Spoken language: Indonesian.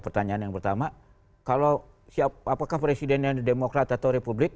pertanyaan yang pertama kalau siapapakah presidennya dari demokrat atau republik